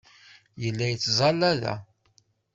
Yella yettẓalla da.